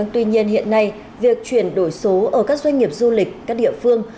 tuy nhiên hiện nay việc chuyển đổi số ở các doanh nghiệp du lịch các địa phương